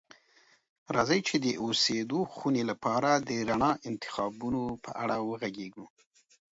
راځئ چې د اوسیدو خونې لپاره د رڼا انتخابونو په اړه وغږیږو.